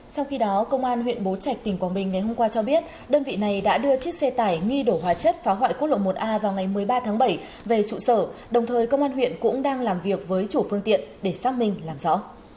trong khi đó công an huyện bố trạch tỉnh quảng bình ngày hôm qua cho biết đơn vị này đã đưa chiếc xe tải nghi đổ hóa chất phá hoại quốc lộ một a vào ngày một mươi ba tháng bảy về trụ sở đồng thời công an huyện cũng đang làm việc với chủ phương tiện để xác minh làm rõ